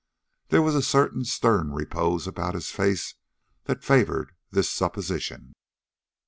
There was a certain stern repose about his face that favored this supposition.